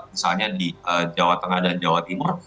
misalnya di jawa tengah dan jawa timur